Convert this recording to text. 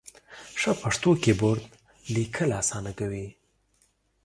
ښه پښتو کېبورډ ، لیکل اسانه کوي.